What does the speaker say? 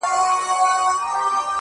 تا ويل له سره ماله تېره يم خو,